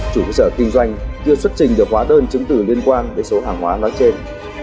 chủ cơ sở kinh doanh chưa xuất trình được hóa đơn chứng từ liên quan đến số hàng hóa nói trên